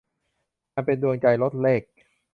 อันเป็นดวงใจ - รจเรข